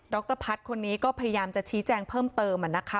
รพัฒน์คนนี้ก็พยายามจะชี้แจงเพิ่มเติมนะคะ